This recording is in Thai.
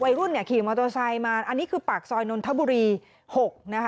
วัยรุ่นเนี่ยขี่มอเตอร์ไซค์มาอันนี้คือปากซอยนนทบุรี๖นะคะ